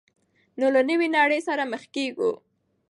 نو له نوې نړۍ سره مخېږو.